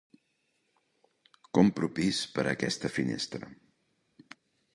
Compro pis per aquesta finestra.